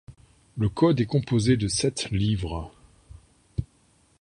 Le code est composé de sept livres.